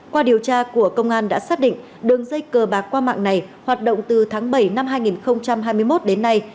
qua điều tra của công an đã xác định đường dây cờ bạc qua mạng này hoạt động từ tháng bảy năm hai nghìn hai mươi một đến nay